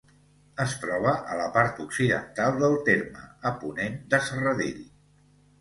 Es troba a la part occidental del terme, a ponent de Serradell.